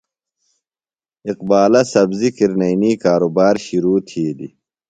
اقبالہ سبزیۡ کرنئینی کارُبار شِرو تِھیلیۡ۔